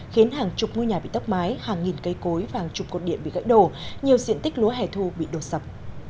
khiến hàng chục ngôi nhà bị tốc mái hàng nghìn cây cối và hàng chục cột điện bị gãy đổ nhiều diện tích lúa hẻ thu bị đổ sập